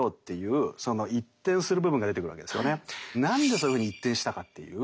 何でそういうふうに一転したかっていう。